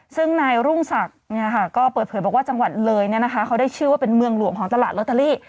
ซึ่งนายรุ่งศักดิ์ก็เปิดเผยบอกว่าจังหวัดเลยเขาได้ชื่อว่าเป็นเมืองหลวงของตลาดลอตเตอรี่